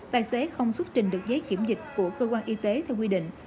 tài xế không xuất trình được giấy kiểm dịch của cơ quan y tế theo quy định